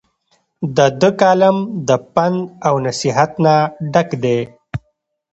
د دۀ کالم د پند او نصيحت نه ډک دے ۔